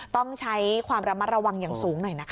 ต้องใช้ความระมัดระวังอย่างสูงหน่อยนะคะ